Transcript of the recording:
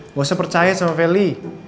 nggak usah percaya sama vali